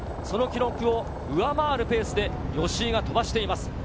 それを上回るペースで吉居が飛ばしています。